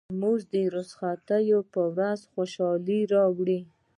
ترموز د رخصتۍ پر ورځ خوشالي راوړي.